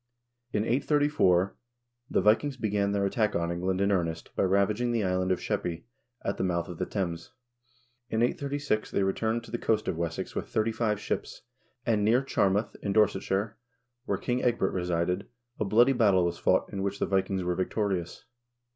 In 834 l the Vikings began their attack on England in earnest by ravaging the island of Sheppey,2 at the mouth of the Thames. In 836 they returned to the coast of Wessex with thirty five ships, and Dear Charmouth, in Dorsetshire, where King Ecgbert resided, a bloody battle was fought in which the Vikings were victorious.